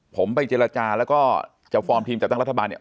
ผมไปเจรจาแล้วก็จะฟอร์มทีมจัดตั้งรัฐบาลเนี่ย